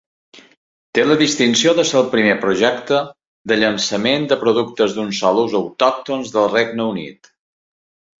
Té la distinció de ser el primer projecte de llançament de productes d'un sol ús autòctons del Regne Unit.